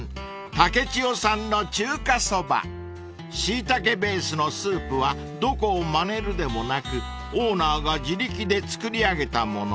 竹千代さんの中華そば］［シイタケベースのスープはどこをまねるでもなくオーナーが自力で作り上げたもの］